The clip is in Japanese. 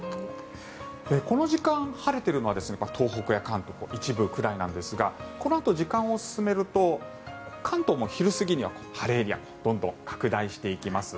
この時間、晴れているのは東北や関東の一部くらいなんですがこのあと時間を進めると関東も昼過ぎには晴れエリアがどんどん拡大していきます。